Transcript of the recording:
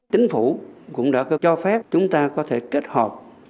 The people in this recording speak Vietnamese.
chính phủ cũng đã có cho phép chúng ta có thể kết hợp